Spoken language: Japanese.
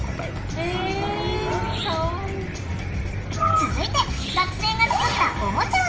続いて学生が作ったおもちゃを紹介！